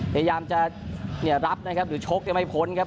พยายามจะรับนะครับหรือชกยังไม่พ้นครับ